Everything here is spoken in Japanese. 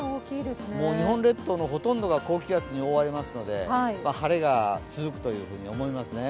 日本列島のほとんどが高気圧に覆われますので晴れが続くというふうに思いますね。